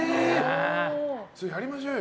それはやりましょうよ。